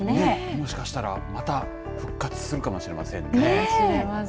もしかしたらまた復活するかもしれませんね。